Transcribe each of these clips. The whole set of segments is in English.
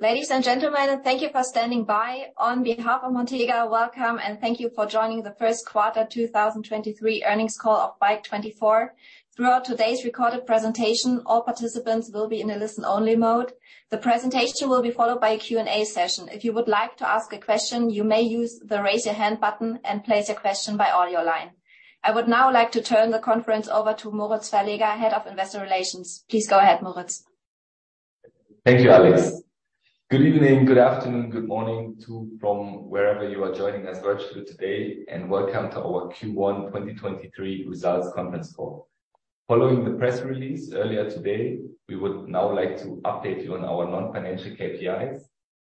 Ladies and gentlemen, thank you for standing by. On behalf of Montega, welcome, and thank you for joining the First quarter 2023 Earnings Call of Bike24. Throughout today's recorded presentation, all participants will be in a listen-only mode. The presentation will be followed by a Q&A session. If you would like to ask a question, you may use the Raise Your Hand button and place your question by audio line. I would now like to turn the conference over to Moritz Verleger, Head of Investor Relations. Please go ahead, Moritz. Thank you, Alex. Good evening, good afternoon, good morning to from wherever you are joining us virtually today, and welcome to Our Q1 2023 Results Conference Call. Following the press release earlier today, we would now like to update you on our non-financial KPIs,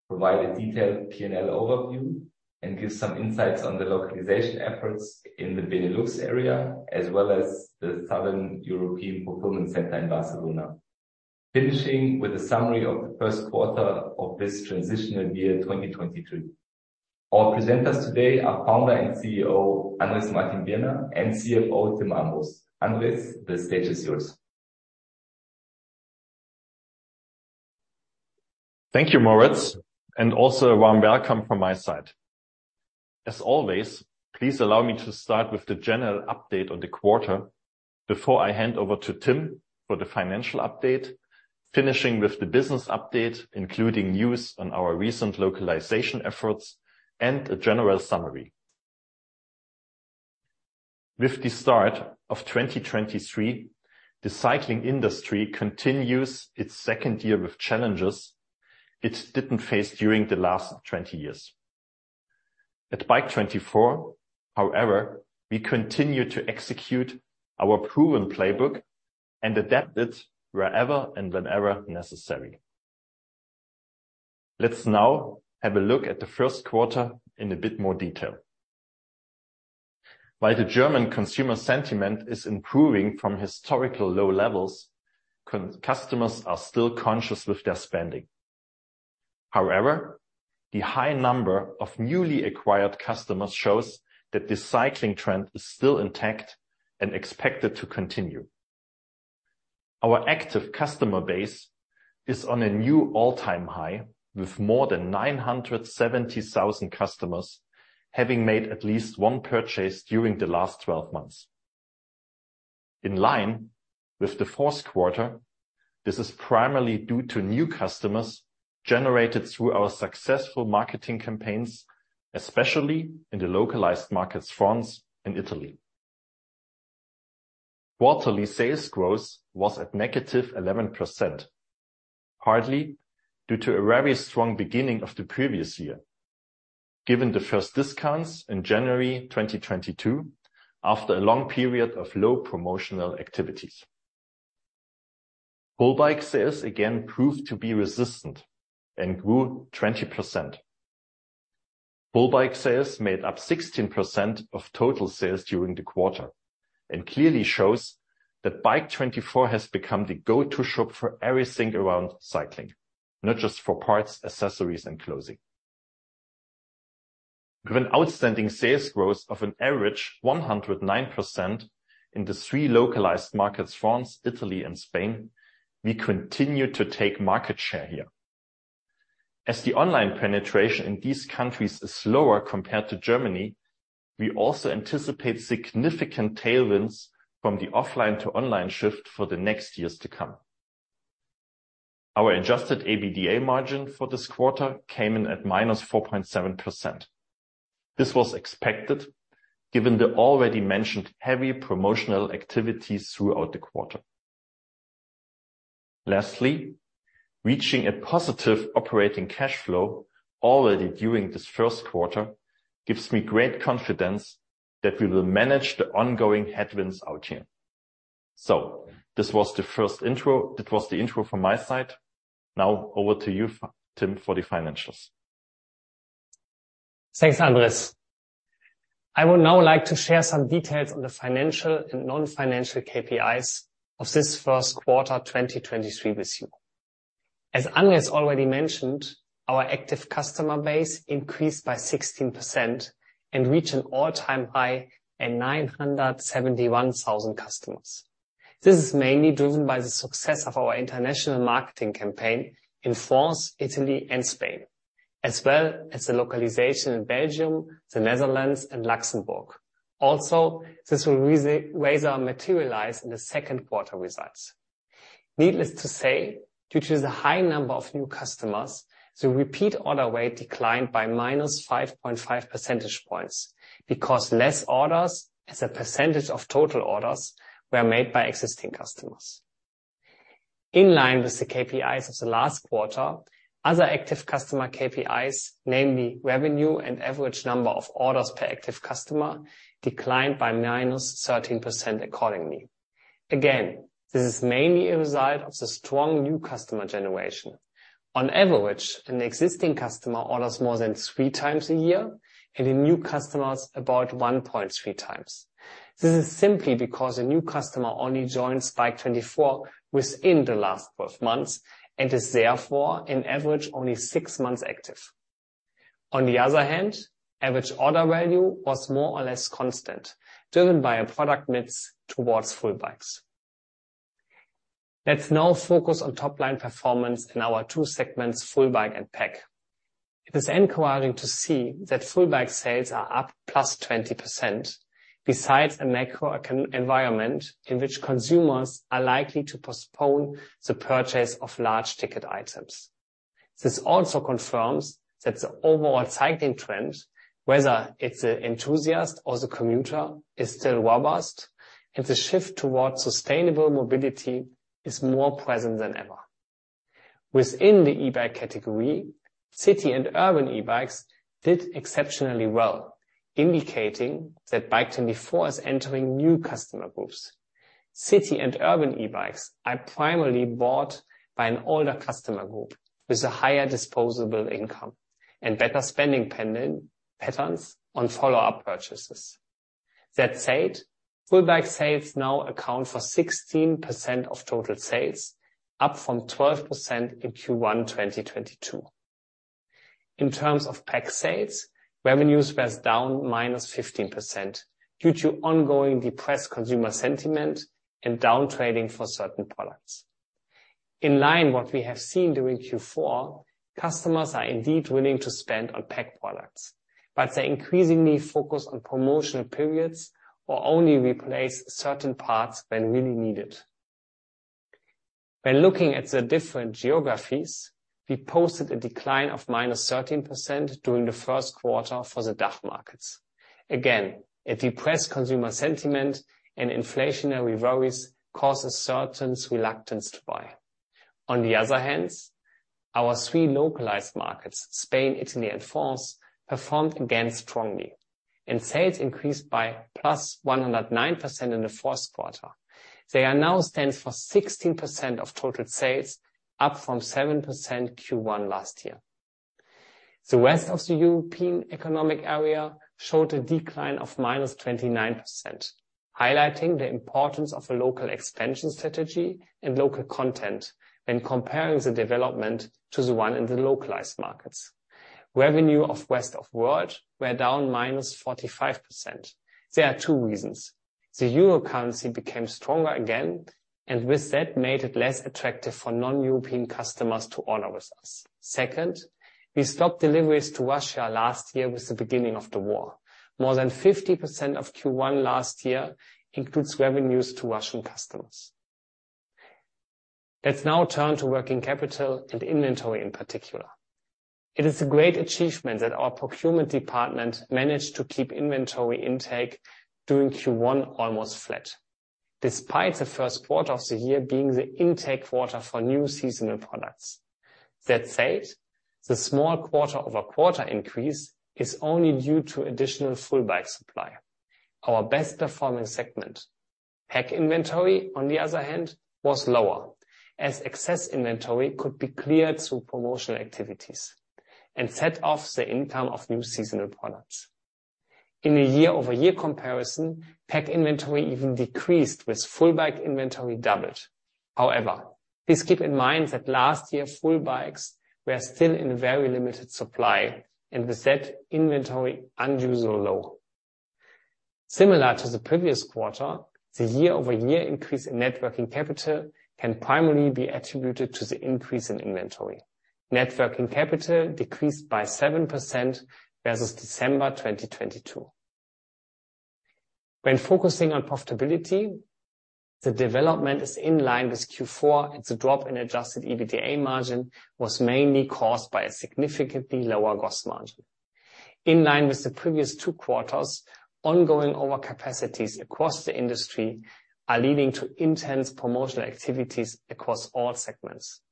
provide a detailed P&L overview, and give some insights on the localization efforts in the Benelux area, as well as the Southern European fulfillment center in Barcelona, finishing with a summary of the first quarter of this transitional year, 2023. Our presenters today are founder and CEO, Andrés Martin-Birner and CFO, Timm Armbrust. Andrés, the stage is yours. Thank you, Moritz. Also a warm welcome from my side. As always, please allow me to start with the general update on the quarter before I hand over to Timm for the financial update, finishing with the business update, including news on our recent localization efforts and a general summary. With the start of 2023, the cycling industry continues its second year with challenges it didn't face during the last 20 years. At Bike24, however, we continue to execute our proven playbook and adapt it wherever and whenever necessary. Let's now have a look at the first quarter in a bit more detail. While the German consumer sentiment is improving from historical low levels, customers are still conscious with their spending. The high number of newly acquired customers shows that the cycling trend is still intact and expected to continue. Our active customer base is on a new all-time high, with more than 970,000 customers having made at least one purchase during the last 12 months. In line with the fourth quarter, this is primarily due to new customers generated through our successful marketing campaigns, especially in the localized markets, France and Italy. Quarterly sales growth was at -11%, hardly due to a very strong beginning of the previous year, given the first discounts in January 2022 after a long period of low promotional activities. Full bike sales again proved to be resistant and grew 20%. Full bike sales made up 16% of total sales during the quarter, and clearly shows that Bike24 has become the go-to shop for everything around cycling, not just for parts, accessories, and clothing. With an outstanding sales growth of an average 109% in the three localized markets, France, Italy and Spain, we continue to take market share here. As the online penetration in these countries is slower compared to Germany, we also anticipate significant tailwinds from the offline to online shift for the next years to come. Our adjusted EBITDA margin for this quarter came in at -4.7%. This was expected, given the already mentioned heavy promotional activities throughout the quarter. Lastly, reaching a positive operating cash flow already during this first quarter gives me great confidence that we will manage the ongoing headwinds out here. This was the intro from my side. Now over to you, Timm, for the financials. Thanks, Andrés. I would now like to share some details on the financial and non-financial KPIs of this first quarter 2023 with you. As Andrés already mentioned, our active customer base increased by 16% and reached an all-time high at 971,000 customers. This is mainly driven by the success of our international marketing campaign in France, Italy, and Spain, as well as the localization in Belgium, the Netherlands, and Luxembourg. This will raise or materialize in the second quarter results. Needless to say, due to the high number of new customers, the repeat order rate declined by minus 5.5 percentage points because less orders as a percentage of total orders were made by existing customers. In line with the KPIs of the last quarter, other active customer KPIs, namely revenue and average number of orders per active customer, declined by -13% accordingly. This is mainly a result of the strong new customer generation. On average, an existing customer orders more than three times a year, and a new customer is about 1.3x. This is simply because a new customer only joins Bike24 within the last 12 months and is therefore on average only six months active. Average order value was more or less constant, driven by a product mix towards full bikes. Let's now focus on top-line performance in our two segments, full bike and PAC. It is encouraging to see that full bike sales are up +20% besides a macro econ environment in which consumers are likely to postpone the purchase of large ticket items. This also confirms that the overall cycling trend, whether it's the enthusiast or the commuter, is still robust, and the shift towards sustainable mobility is more present than ever. Within the e-bike category, city and urban e-bikes did exceptionally well, indicating that Bike24 is entering new customer groups. City and urban e-bikes are primarily bought by an older customer group with a higher disposable income and better spending patterns on follow-up purchases. That said, full bike sales now account for 16% of total sales, up from 12% in Q1 2022. In terms of PAC sales, revenues were down -15% due to ongoing depressed consumer sentiment and downtrading for certain products. In line what we have seen during Q4, customers are indeed willing to spend on PAC products, but they're increasingly focused on promotional periods or only replace certain parts when really needed. When looking at the different geographies, we posted a decline of -13% during the first quarter for the DACH markets. Again, a depressed consumer sentiment and inflationary worries causes certain reluctance to buy. On the other hand, our three localized markets, Spain, Italy, and France, performed again strongly, and sales increased by +109% in the fourth quarter. They now stand for 16% of total sales, up from 7% Q1 last year. The rest of the European Economic Area showed a decline of -29%, highlighting the importance of a local expansion strategy and local content when comparing the development to the one in the localized markets. Revenue of Rest of World was down 45%. There are two reasons. The EUR currency became stronger again, with that made it less attractive for non-European customers to order with us. Second, we stopped deliveries to Russia last year with the beginning of the war. More than 50% of Q1 last year includes revenues to Russian customers. Let's now turn to working capital and inventory in particular. It is a great achievement that our procurement department managed to keep inventory intake during Q1 almost flat, despite the first quarter of the year being the intake quarter for new seasonal products. That said, the small quarter-over-quarter increase is only due to additional full bike supply, our best-performing segment. PAC inventory, on the other hand, was lower as excess inventory could be cleared through promotional activities and set off the income of new seasonal products. In a year-over-year comparison, PAC inventory even decreased with full bike inventory doubled. Please keep in mind that last year full bikes were still in very limited supply, and with that inventory unusually low. Similar to the previous quarter, the year-over-year increase in net working capital can primarily be attributed to the increase in inventory. Net working capital decreased by 7% versus December 2022. When focusing on profitability, the development is in line with Q4, the drop in adjusted EBITDA margin was mainly caused by a significantly lower gross margin. In line with the previous two quarters, ongoing overcapacities across the industry are leading to intense promotional activities across all segments.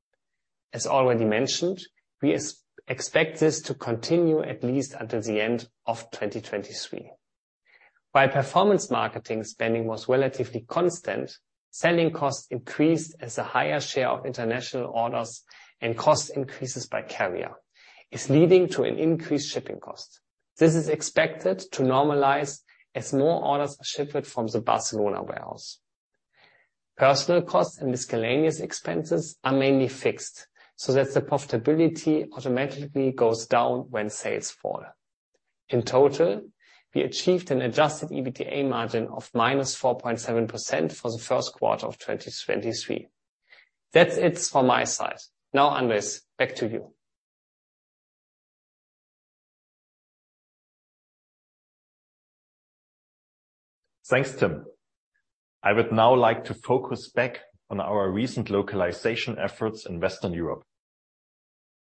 As already mentioned, we expect this to continue at least until the end of 2023. While performance marketing spending was relatively constant, selling costs increased as a higher share of international orders and cost increases by carrier is leading to an increased shipping cost. This is expected to normalize as more orders are shipped from the Barcelona warehouse. Personnel costs and miscellaneous expenses are mainly fixed, the profitability automatically goes down when sales fall. In total, we achieved an adjusted EBITDA margin of -4.7% for the first quarter of 2023. That's it for my side. Andrés, back to you. Thanks, Timm. I would now like to focus back on our recent localization efforts in Western Europe.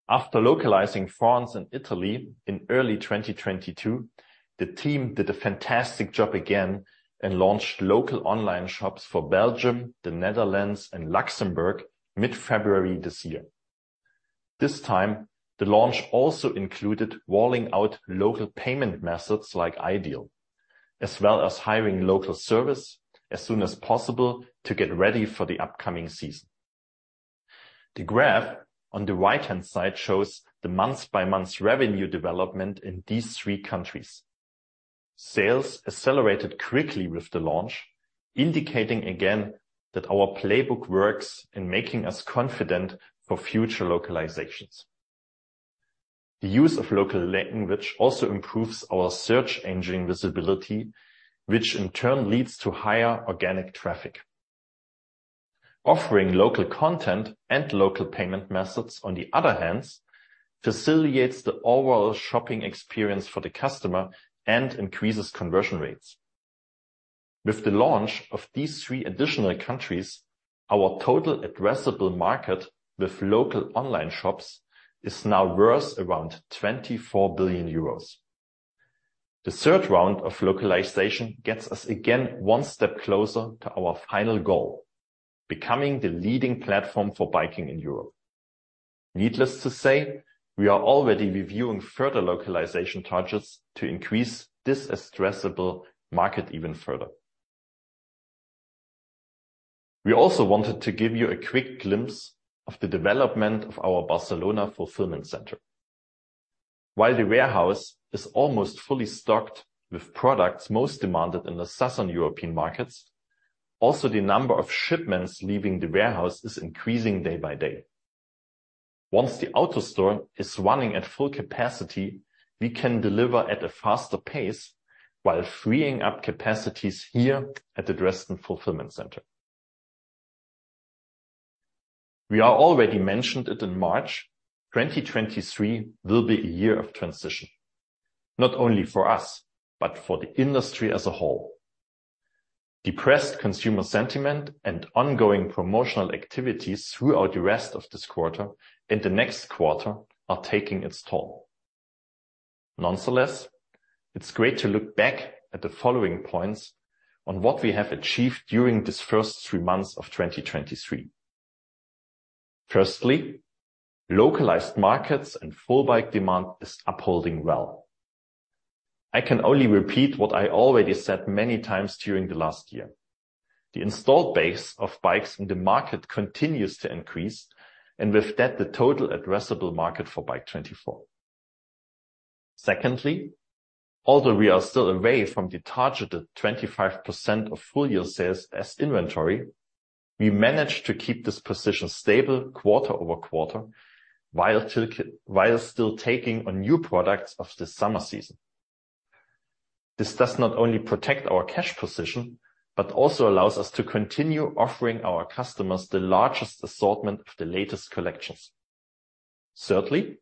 After localizing France and Italy in early 2022, the team did a fantastic job again and launched local online shops for Belgium, the Netherlands, and Luxembourg mid-February this year. This time, the launch also included rolling out local payment methods like iDEAL, as well as hiring local service as soon as possible to get ready for the upcoming season. The graph on the right-hand side shows the month-by-month revenue development in these three countries. Sales accelerated quickly with the launch, indicating again that our playbook works in making us confident for future localizations. The use of local language also improves our search engine visibility, which in turn leads to higher organic traffic. Offering local content and local payment methods, on the other hand, facilitates the overall shopping experience for the customer and increases conversion rates. With the launch of these three additional countries, our total addressable market with local online shops is now worth around 24 billion euros. The third round of localization gets us again one step closer to our final goal, becoming the leading platform for biking in Europe. Needless to say, we are already reviewing further localization targets to increase this addressable market even further. We also wanted to give you a quick glimpse of the development of our Barcelona fulfilment center. While the warehouse is almost fully stocked with products most demanded in the Southern European markets, also the number of shipments leaving the warehouse is increasing day by day. Once the AutoStore is running at full capacity, we can deliver at a faster pace while freeing up capacities here at the Dresden fulfillment center. We are already mentioned it in March, 2023 will be a year of transition, not only for us, but for the industry as a whole. Depressed consumer sentiment and ongoing promotional activities throughout the rest of this quarter and the next quarter are taking its toll. Nonetheless, it's great to look back at the following points on what we have achieved during these first three months of 2023. Firstly, localized markets and full bike demand is upholding well. I can only repeat what I already said many times during the last year. The installed base of bikes in the market continues to increase, with that, the total addressable market for Bike24. Secondly, although we are still away from the targeted 25% of full year sales as inventory, we managed to keep this position stable quarter-over-quarter, while still taking on new products of the summer season. This does not only protect our cash position, but also allows us to continue offering our customers the largest assortment of the latest collections. Thirdly,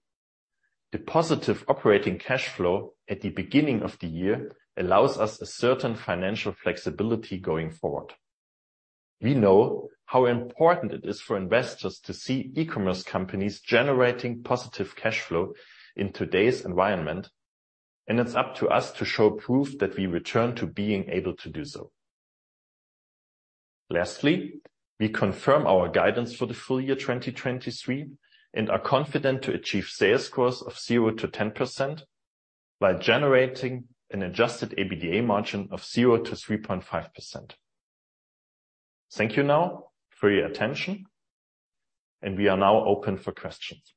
the positive operating cash flow at the beginning of the year allows us a certain financial flexibility going forward. We know how important it is for investors to see e-commerce companies generating positive cash flow in today's environment, and it's up to us to show proof that we return to being able to do so. Lastly, we confirm our guidance for the full year 2023 and are confident to achieve sales growth of 0% to 10% while generating an adjusted EBITDA margin of 0% to 3.5%. Thank you now for your attention. We are now open for questions.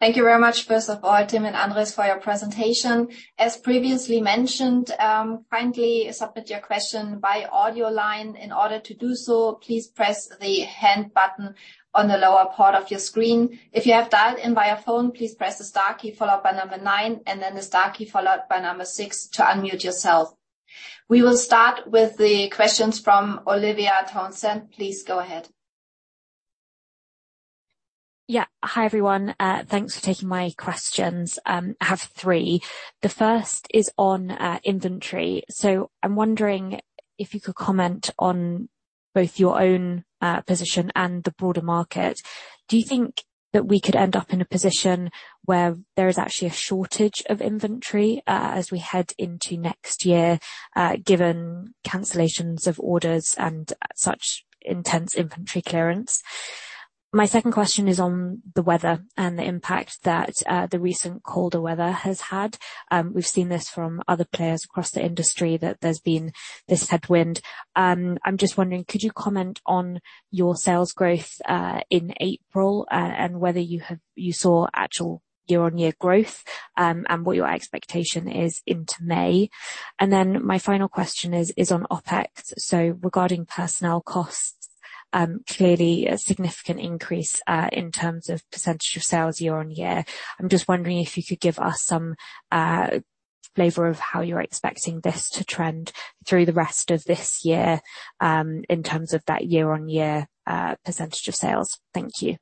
Thank you very much, first of all, Timm and Andrés, for your presentation. As previously mentioned, kindly submit your question via audio line. In order to do so, please press the Hand button on the lower part of your screen. If you have dialed in via phone, please press the star key followed by nine and then the star key followed by six to unmute yourself. We will start with the questions from Olivia Townsend. Please go ahead. Yeah. Hi, everyone. Thanks for taking my questions. I have three. The first is on inventory. I'm wondering if you could comment on both your own position and the broader market. Do you think that we could end up in a position where there is actually a shortage of inventory as we head into next year, given cancellations of orders and such intense inventory clearance? My second question is on the weather and the impact that the recent colder weather has had. We've seen this from other players across the industry that there's been this headwind. I'm just wondering, could you comment on your sales growth in April and whether you saw actual year-on-year growth and what your expectation is into May? My final question is on OpEx. Regarding personnel costs, clearly a significant increase in terms of percentage of sales year-on-year. I'm just wondering if you could give us some flavor of how you're expecting this to trend through the rest of this year in terms of that year-on-year percentage of sales. Thank you.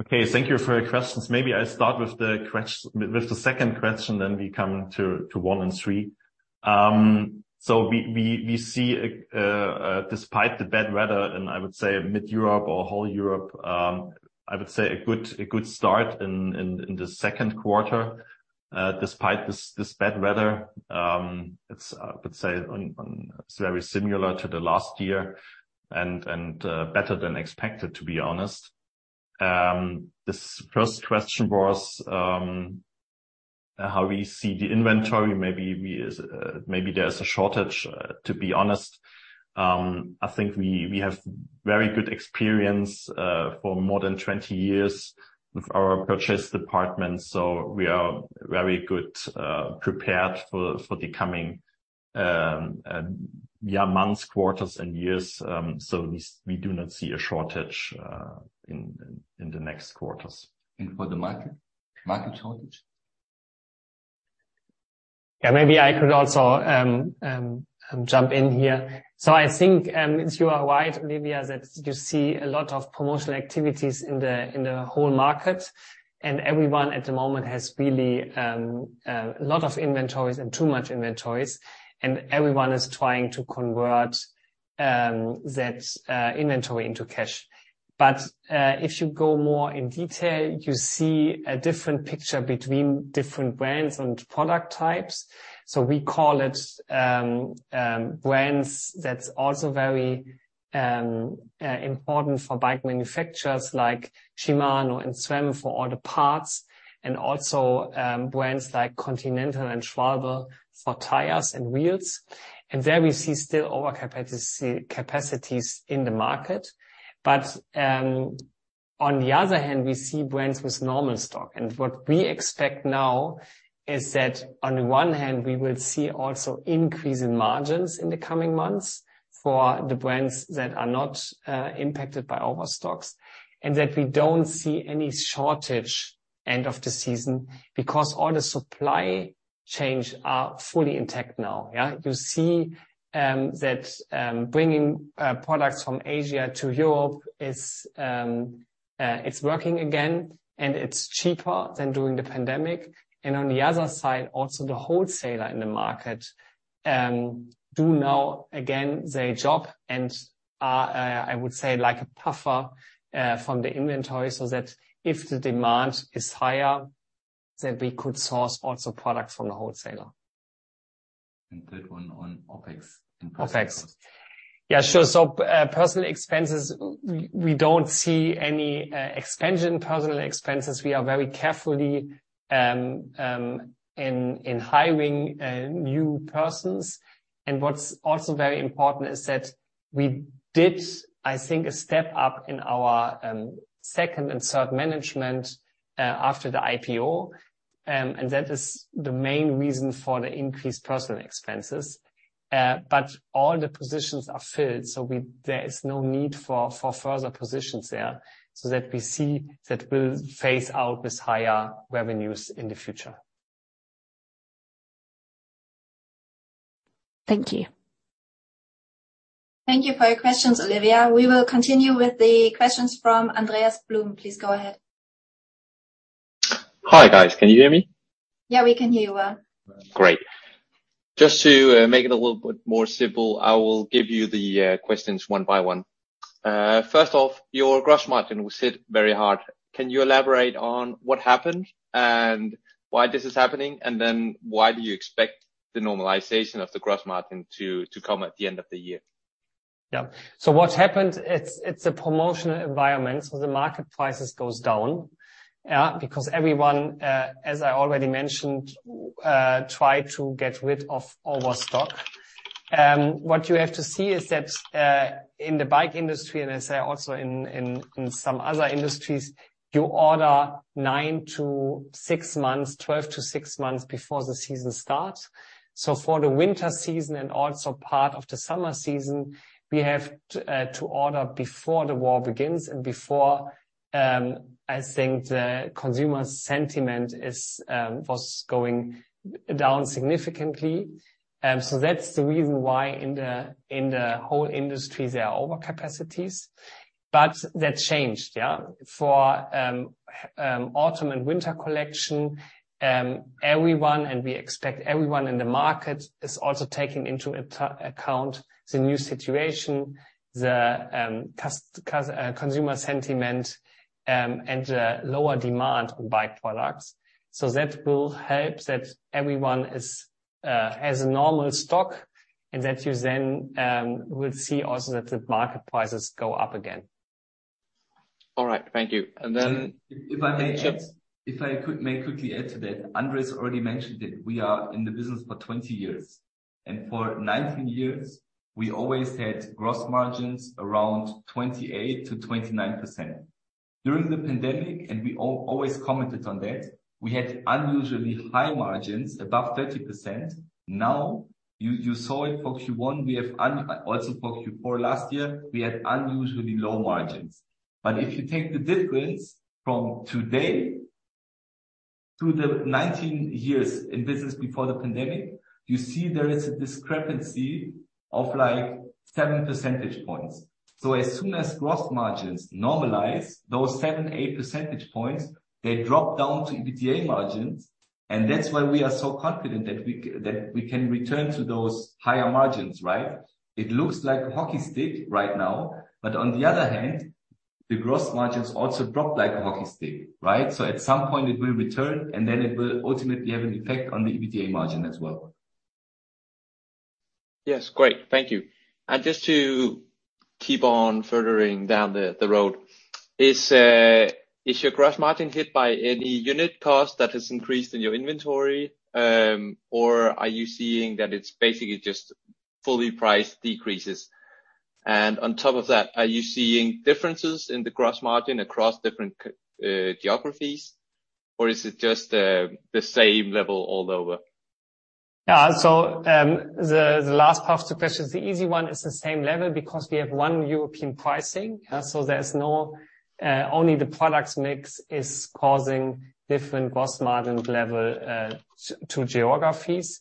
Okay. Thank you for your questions. Maybe I start with the second question, we come to one and three. We see, despite the bad weather in, I would say, mid-Europe or whole Europe, I would say a good start in the second quarter, despite this bad weather. It's, I would say, it's very similar to the last year and better than expected, to be honest. This first question was how we see the inventory. Maybe there's a shortage. To be honest, I think we have very good experience for more than 20 years with our purchase department, so we are very good prepared for the coming Yeah, months, quarters, and years. We do not see a shortage in the next quarters. For the market shortage? Yeah. Maybe I could also jump in here. I think, you are right, Olivia, that you see a lot of promotional activities in the whole market, and everyone at the moment has really lot of inventories and too much inventories, and everyone is trying to convert that inventory into cash. If you go more in detail, you see a different picture between different brands and product types. We call it brands that's also very important for bike manufacturers like Shimano and SRAM for all the parts, and also brands like Continental and Schwalbe for tires and wheels. There we see still overcapacities in the market. On the other hand, we see brands with normal stock. What we expect now is that on one hand, we will see also increase in margins in the coming months for the brands that are not impacted by overstocks, and that we don't see any shortage end of the season because all the supply chains are fully intact now, yeah? You see that bringing products from Asia to Europe is it's working again, and it's cheaper than during the pandemic. On the other side, also the wholesaler in the market do now again their job and are, I would say like a buffer from the inventory, so that if the demand is higher, then we could source also products from the wholesaler. Third one on OpEx and personnel costs. OpEx. Yeah, sure. Personnel expenses, we don't see any expansion personnel expenses. We are very carefully in hiring new persons. What's also very important is that we did, I think, a step up in our second and third management after the IPO, and that is the main reason for the increased personnel expenses. All the positions are filled, so we there is no need for further positions there. That we see that we'll phase out with higher revenues in the future. Thank you. Thank you for your questions, Olivia. We will continue with the questions from Andreas Blum. Please go ahead. Hi, guys. Can you hear me? Yeah, we can hear you well. Great. Just to make it a little bit more simple, I will give you the questions one by one. First off, your gross margin was hit very hard. Can you elaborate on what happened and why this is happening? Why do you expect the normalization of the gross margin to come at the end of the year? Yeah. What happened, it's a promotional environment, so the market prices goes down, yeah, because everyone, as I already mentioned, try to get rid of overstock. What you have to see is that in the bike industry, and as I say, also in some other industries, you order nine to six months, twelve to six months before the season starts. For the winter season and also part of the summer season, we have to order before the war begins and before, I think the consumer sentiment is, was going down significantly. That's the reason why in the whole industry, there are overcapacities. That changed, yeah? For autumn and winter collection, everyone, and we expect everyone in the market is also taking into account the new situation, the consumer sentiment, and the lower demand on bike products. That will help that everyone has a normal stock and that you then will see also that the market prices go up again. All right. Thank you. If I may. Yes. May quickly add to that. Andreas already mentioned it. We are in the business for 20 years. For 19 years, we always had gross margins around 28%-29%. During the pandemic, we always commented on that, we had unusually high margins, above 30%. You saw it for Q1, we also for Q4 last year, we had unusually low margins. If you take the difference from today to the 19 years in business before the pandemic, you see there is a discrepancy of like 7 percentage points. As soon as gross margins normalize, those 7, 8 percentage points, they drop down to EBITDA margins, and that's why we are so confident that we can return to those higher margins, right? It looks like a hockey stick right now, but on the other hand, the gross margins also drop like a hockey stick, right? At some point it will return, and then it will ultimately have an effect on the EBITDA margin as well. Yes. Great. Thank you. Just to keep on furthering down the road. Is your gross margin hit by any unit cost that has increased in your inventory? Or are you seeing that it's basically just fully priced decreases? On top of that, are you seeing differences in the gross margin across different geographies? Is it just, the same level all over? The last part of the question, the easy one is the same level because we have one European pricing. There is no, only the products mix is causing different gross margin level to geographies.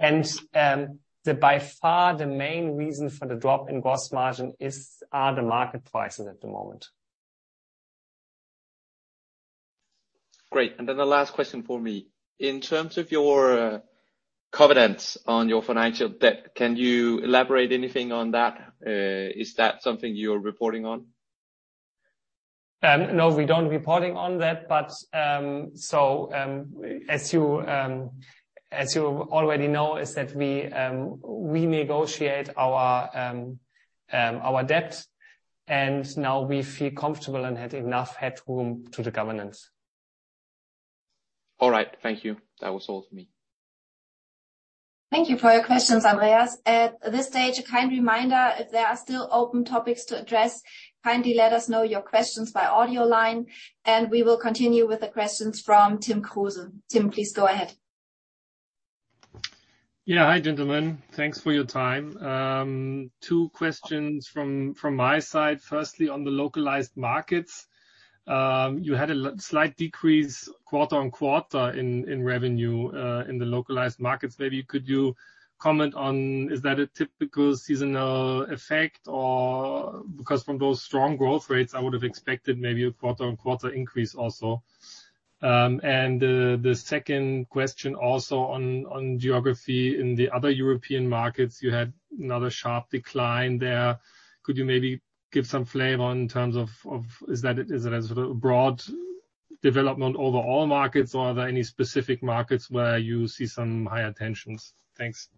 The by far, the main reason for the drop in gross margin are the market prices at the moment. Great. Then the last question for me. In terms of your covenants on your financial debt, can you elaborate anything on that? Is that something you're reporting on? No, we don't reporting on that, but, so, as you already know, is that we negotiate our debt, and now we feel comfortable and have enough headroom to the governance. All right. Thank you. That was all for me. Thank you for your questions, Andreas. At this stage, a kind reminder, if there are still open topics to address, kindly let us know your questions by audio line, and we will continue with the questions from Tim Kruse. Tim, please go ahead. Yeah. Hi, gentlemen. Thanks for your time. Two questions from my side. Firstly, on the localized markets, you had a slight decrease quarter-on-quarter in revenue in the localized markets. Maybe could you comment on, is that a typical seasonal effect? Because from those strong growth rates, I would have expected maybe a quarter-on-quarter increase also. The second question also on geography. In the other European markets, you had another sharp decline there. Could you maybe give some flavor in terms of, is that a sort of broad development over all markets or are there any specific markets where you see some higher tensions? Thanks.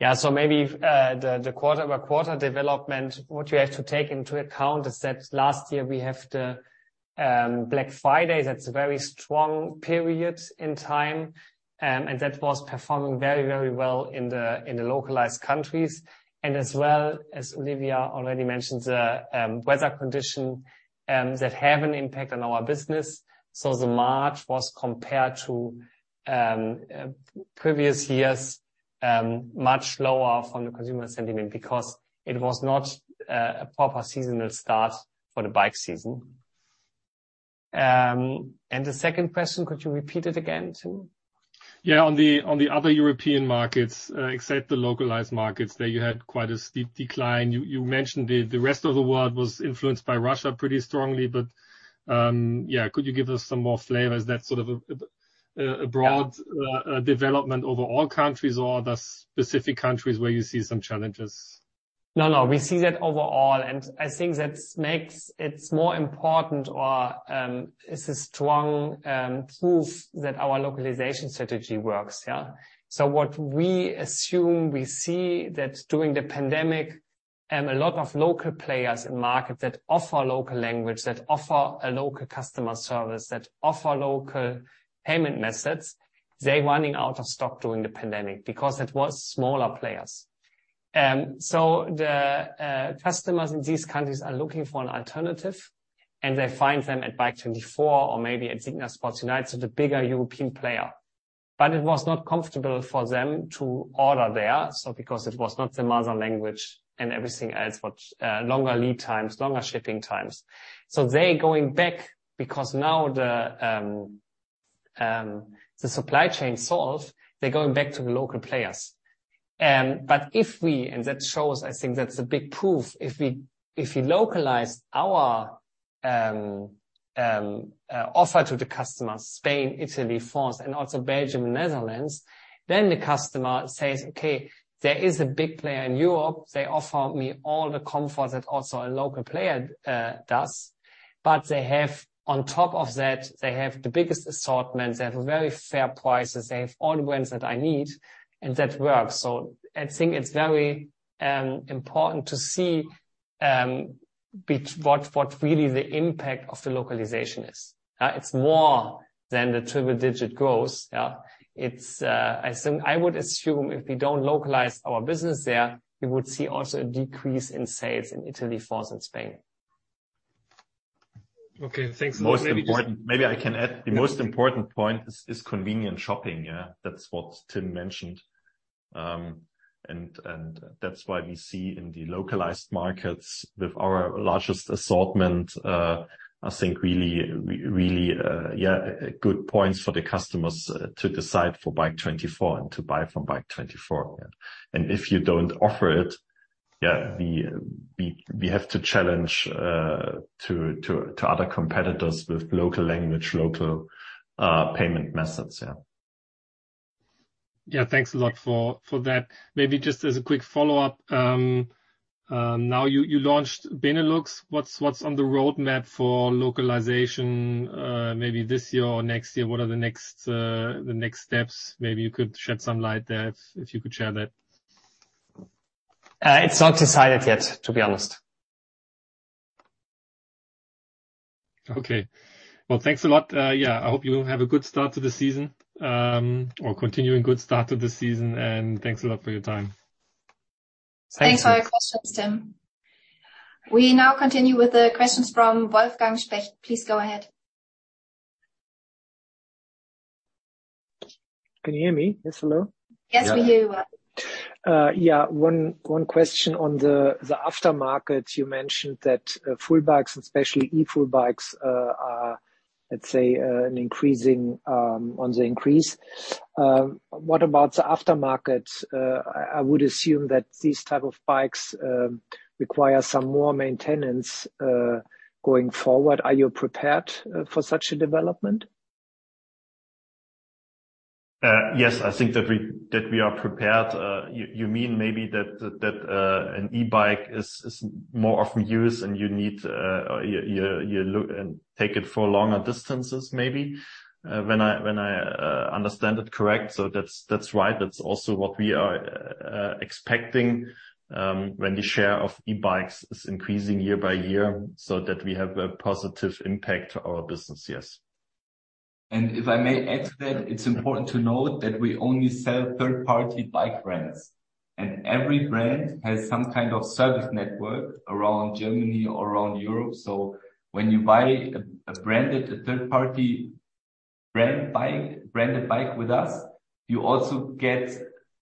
Yeah. Maybe the quarter-over-quarter development, what you have to take into account is that last year we have the Black Friday. That's a very strong period in time, that was performing very, very well in the localized countries. As well, as Olivia already mentioned, the weather conditions that have an impact on our business. The March was compared to previous years much lower from the consumer sentiment because it was not a proper seasonal start for the bike season. The second question, could you repeat it again, too? On the other European markets, except the localized markets, there you had quite a steep decline. You mentioned the rest of the world was influenced by Russia pretty strongly. Yeah, could you give us some more flavor? Is that sort of a broad development over all countries or are there specific countries where you see some challenges? No, no. We see that overall, and I think that makes it more important or, it's a strong proof that our localization strategy works, yeah. What we assume, we see that during the pandemic, a lot of local players in market that offer local language, that offer a local customer service, that offer local payment methods, they're running out of stock during the pandemic because it was smaller players. The customers in these countries are looking for an alternative, and they find them at Bike24 or maybe at Signa Sports United, the bigger European player. It was not comfortable for them to order there because it was not their mother language and everything else, what, longer lead times, longer shipping times. They're going back because now the supply chain solved. They're going back to the local players. If we and that shows, I think that's a big proof, if we localize our offer to the customers, Spain, Italy, France, and also Belgium and Netherlands, then the customer says, "Okay, there is a big player in Europe. They offer me all the comfort that also a local player does. On top of that, they have the biggest assortment, they have very fair prices, they have all the brands that I need," and that works. I think it's very important to see what really the impact of the localization is, yeah? It's more than the triple digit growth, yeah? It's, I would assume if we don't localize our business there, we would see also a decrease in sales in Italy, France and Spain. Okay. Thanks a lot. Maybe I can add. The most important point is convenient shopping, yeah? That's what Timm mentioned. And that's why we see in the localized markets with our largest assortment, I think really, yeah, good points for the customers to decide for Bike24 and to buy from Bike24, yeah. If you don't offer it, yeah, we have to challenge to other competitors with local language, local payment methods, yeah. Yeah. Thanks a lot for that. Maybe just as a quick follow-up, now you launched Benelux. What's on the roadmap for localization, maybe this year or next year? What are the next steps? Maybe you could shed some light there if you could share that. It's not decided yet, to be honest. Okay. Well, thanks a lot. Yeah, I hope you have a good start to the season, or continuing good start to the season, and thanks a lot for your time. Thanks for your questions, Timm. We now continue with the questions from Wolfgang Specht. Please go ahead. Can you hear me? Yes, hello? We hear you well. Yeah. One question on the aftermarket. You mentioned that full bikes and especially e-full bikes are, let's say, an increasing on the increase. What about the aftermarket? I would assume that these type of bikes require some more maintenance going forward. Are you prepared for such a development? Yes. I think that we are prepared. You mean maybe that an e-bike is more often used and you need, you take it for longer distances maybe, when I understand it correct. That's right. That's also what we are expecting, when the share of e-bikes is increasing year by year, so that we have a positive impact to our business. Yes. If I may add to that, it's important to note that we only sell third-party bike brands, and every brand has some kind of service network around Germany or around Europe. When you buy a third-party brand bike with us, you also get.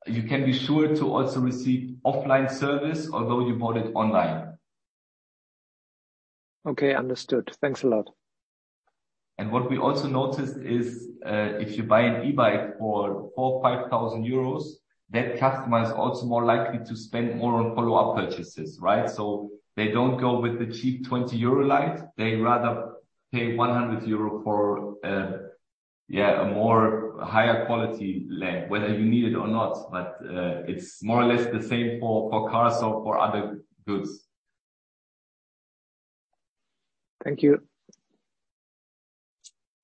You can be sure to also receive offline service although you bought it online. Okay, understood. Thanks a lot. What we also noticed is, if you buy an e-bike for 4,000-5,000 euros, that customer is also more likely to spend more on follow-up purchases, right? They don't go with the cheap 20 euro light, they rather pay 100 euro for a more higher quality lamp, whether you need it or not, it's more or less the same for cars or for other goods. Thank you.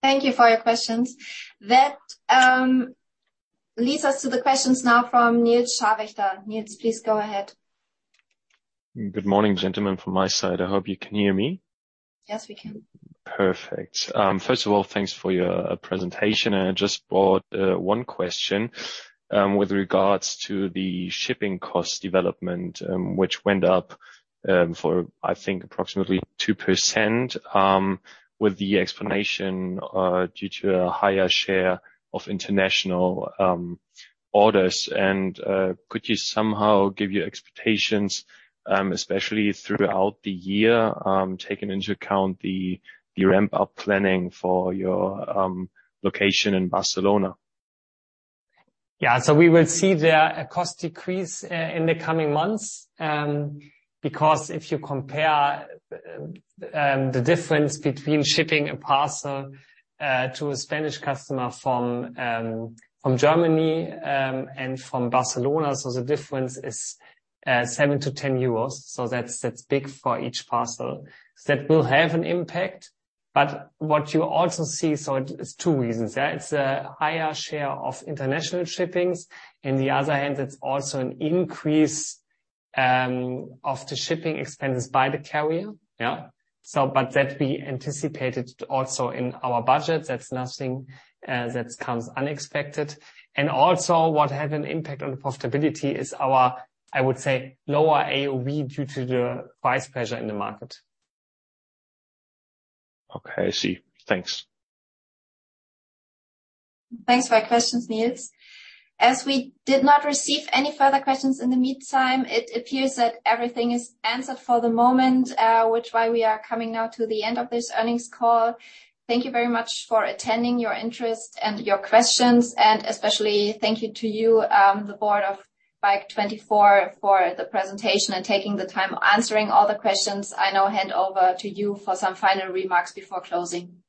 Thank you for your questions. That leads us to the questions now from Nils Scharwächter. Nils, please go ahead. Good morning, gentlemen, from my side. I hope you can hear me. Yes, we can. Perfect. First of all, thanks for your presentation, I just brought one question with regards to the shipping cost development, which went up for, I think, approximately 2% with the explanation due to a higher share of international orders. Could you somehow give your expectations especially throughout the year taking into account the ramp-up planning for your location in Barcelona? Yeah. We will see there a cost decrease in the coming months, because if you compare the difference between shipping a parcel to a Spanish customer from Germany and from Barcelona, the difference is 7-10 euros. That's big for each parcel. That will have an impact. What you also see, it's two reasons there. It's a higher share of international shippings. In the other hand, it's also an increase of the shipping expenses by the carrier. Yeah. That we anticipated also in our budget. That's nothing that comes unexpected. Also what had an impact on the profitability is our, I would say, lower AOV due to the price pressure in the market. Okay, I see. Thanks. Thanks for your questions, Nils. As we did not receive any further questions in the meantime, it appears that everything is answered for the moment, which why we are coming now to the end of this earnings call. Thank you very much for attending, your interest and your questions, and especially thank you to you, the board of Bike24, for the presentation and taking the time answering all the questions. I now hand over to you for some final remarks before closing.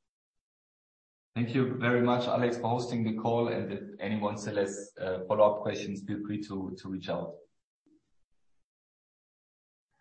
Thank you very much, Alex, for hosting the call. If anyone still has follow-up questions, feel free to reach out.